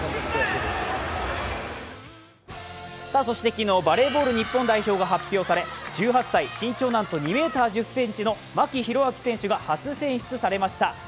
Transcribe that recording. そして昨日バレーボール日本代表が発表され１８歳、身長なんと２ｍ１０ｃｍの牧大晃選手が初選出されました。